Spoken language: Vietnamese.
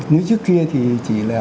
nếu trước kia thì chỉ là